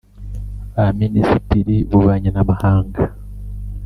ba minisitiri b’ububanyi n’amahanga